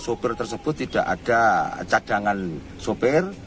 sopir tersebut tidak ada cadangan sopir